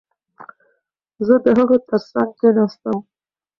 زه د هغه ترڅنګ کښېناستم.